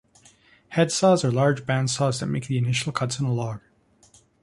Head saws are large bandsaws that make the initial cuts in a log.